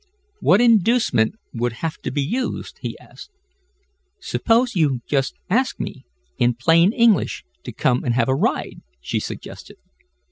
"What inducement would have to be used?" he asked. "Suppose you just ask me in plain English to come and have a ride?" she suggested.